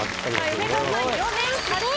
梅沢さん。